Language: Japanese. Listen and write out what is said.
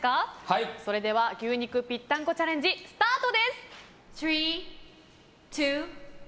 では牛肉ぴったんこチャレンジスタート。